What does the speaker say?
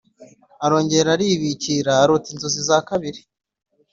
Arongera aribikira arota inzozi za kabiri